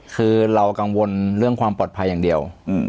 คือเรากังวลเรื่องความปลอดภัยอย่างเดียว